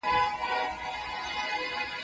زه غواړم چې په خپله ځمکه کې یو لوی شین باغ جوړ کړم.